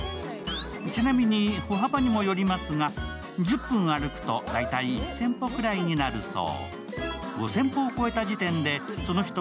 ちなみに歩幅にもよりますが、１０分歩くと大体１０００歩ぐらいになるそう。